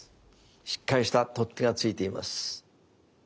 しっかりした取っ手が付いています。